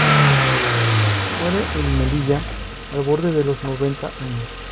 Muere en Melilla al borde de los noventa años.